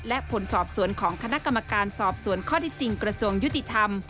และผลสอบสวนของคณะกรรมการสอบสวนข้อที่จริงกระทรวงยุติธรรม